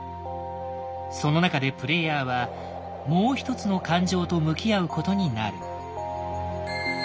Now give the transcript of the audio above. その中でプレイヤーはもう一つの感情と向き合うことになる。